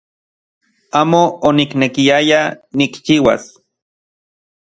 Amo oniknekiaya nikchiuas